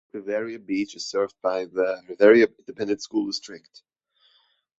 Riviera Beach is served by the Riviera Independent School District.